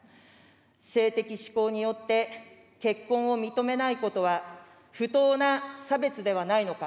性的指向によって結婚を認めないことは不当な差別ではないのか。